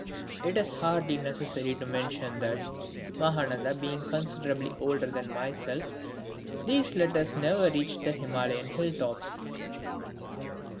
It is hardly necessary to mention that, Mahananda being considerably older than myself, these letters never reached the Himalayan hill tops.